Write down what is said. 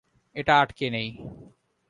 এটা আটকে নেই।